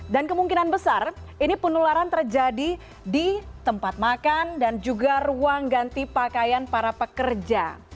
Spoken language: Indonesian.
dan kemungkinan besar ini penularan terjadi di tempat makan dan juga ruang ganti pakaian para pekerja